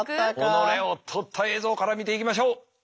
己を撮った映像から見ていきましょう。